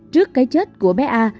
trước cái chết của bé a